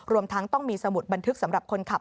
รวมทั้งต้องมีสมุดบันทึกสำหรับคนขับ